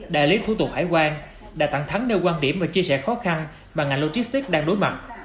đại lý thủ tục hải quan đã thẳng thắng nêu quan điểm và chia sẻ khó khăn mà ngành logistics đang đối mặt